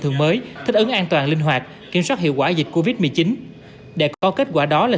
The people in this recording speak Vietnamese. thường mới thích ứng an toàn linh hoạt kiểm soát hiệu quả dịch covid một mươi chín để có kết quả đó là